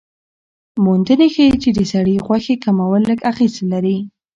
موندنې ښيي چې د سرې غوښې کمول لږ اغېز لري.